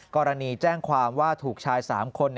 กรณีแจ้งความว่าถูกชาย๓คน